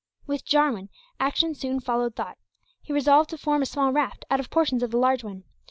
With Jarwin, action soon followed thought. He resolved to form a small raft out of portions of the large one.